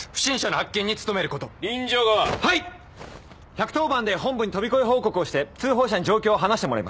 １１０番で本部に飛び越え報告をして通報者に状況を話してもらいます。